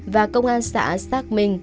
và công an xã xác minh